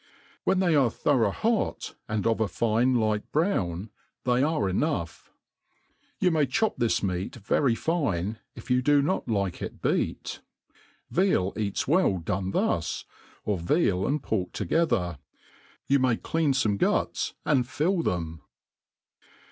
When they are thorough hot, and of a fine light brown, they are enough. You may ctiop this meat very fine, if you do not like it beat. Veal eats well done thus,' or veal and pork together. . You^may^ clean fome guts, and fill them.